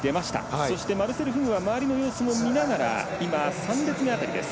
そしてマルセル・フグは周りの様子も見ながら３列目辺りです。